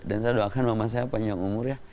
dan saya doakan mama saya panjang umur ya